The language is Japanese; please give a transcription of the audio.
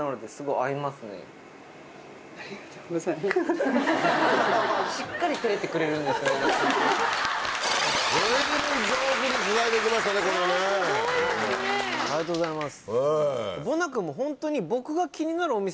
ありがとうございます。